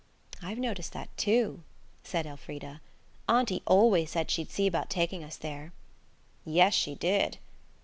"I've noticed that, too," said Elfrida. "Auntie always said she'd see about taking us there." "Yes, she did."